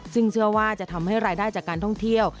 ซึ่งเชื่อว่าจะทำให้รายได้จากการท่องเที่ยว